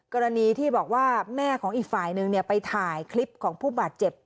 กรณีที่บอกว่าแม่ของอีกฝ่ายนึงไปถ่ายคลิปของผู้บาดเจ็บ